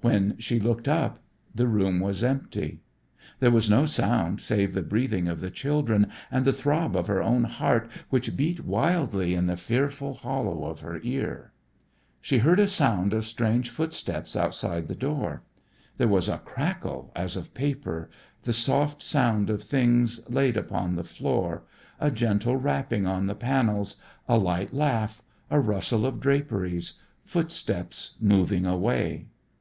When she looked up, the room was empty. There was no sound save the breathing of the children and the throb of her own heart which beat wildly in the fearful hollow of her ear. She heard a sound of strange footsteps outside the door. There was a crackle as of paper, the soft sound of things laid upon the floor, a gentle rapping on the panels, a light laugh, a rustle of draperies, footsteps moving away.